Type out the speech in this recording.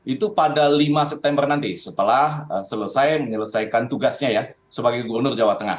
itu pada lima september nanti setelah selesai menyelesaikan tugasnya ya sebagai gubernur jawa tengah